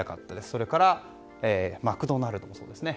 それからマクドナルドもそうですね。